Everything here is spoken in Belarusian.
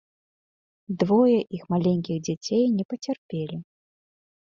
Двое іх маленькіх дзяцей не пацярпелі.